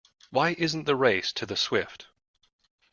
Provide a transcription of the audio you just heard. Why isn't the race to the swift?